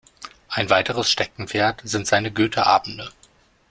Ein weiteres Steckenpferd sind seine Goethe-Abende.